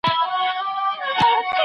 د اسلام دین د بریا او نېکمرغۍ اساس دی.